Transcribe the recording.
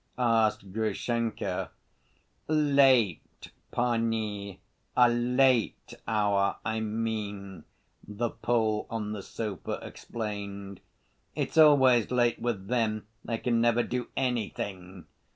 asked Grushenka. "Late, pani! 'a late hour' I mean," the Pole on the sofa explained. "It's always late with them. They can never do anything!"